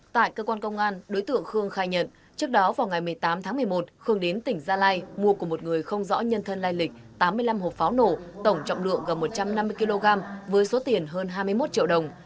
tại cơ quan công an đối tượng khương khai nhận trước đó vào ngày một mươi tám tháng một mươi một khương đến tỉnh gia lai mua của một người không rõ nhân thân lai lịch tám mươi năm hộp pháo nổ tổng trọng lượng gần một trăm năm mươi kg với số tiền hơn hai mươi một triệu đồng